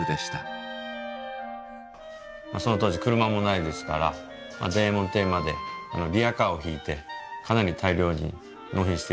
その当時車もないですから伝右衛門邸までリヤカーを引いてかなり大量に納品していたようです。